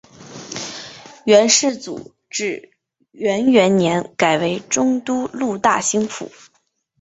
元世祖至元元年改为中都路大兴府。